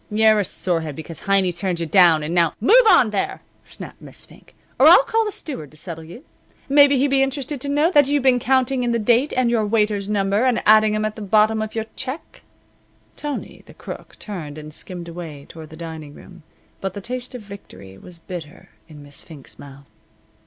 "You're a sorehead because Heiny turned you down and now " "Move on there!" snapped Miss Fink, "or I'll call the steward to settle you. Maybe he'd be interested to know that you've been counting in the date and your waiter's number, and adding 'em in at the bottom of your check." Tony, the Crook, turned and skimmed away toward the dining room, but the taste of victory was bitter in Miss Fink's mouth.